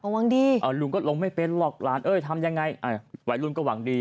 หวังดีอ่าลุงก็ลงไม่เป็นหรอกหลานเอ้ยทำยังไงอ่ะวัยรุ่นก็หวังดี